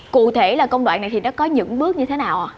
cụ thể là công đoạn này thì nó có những bước như thế nào